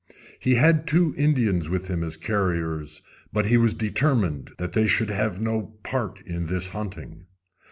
He had two Indians with him as carriers, but he was determined that they should have no part in this hunting.